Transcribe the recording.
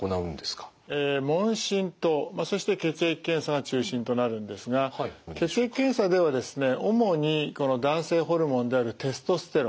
が中心となるんですが血液検査ではですね主にこの男性ホルモンであるテストステロン